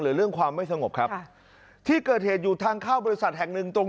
หรือเรื่องความไม่สงบที่เกิดเหตุอยู่ในทางข้าวบริษัทแห่งหนึ่ง